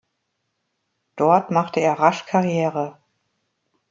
Dort machte er rasch Karriere.